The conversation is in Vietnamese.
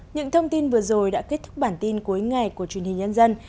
những thông tin vừa rồi đã kết thúc bản tin cuối ngày của truyền hình nhân dân